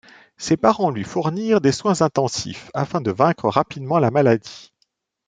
Ses parents lui fournirent des soins intensifs afin de vaincre rapidement la maladie.